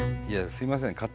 いやすいません。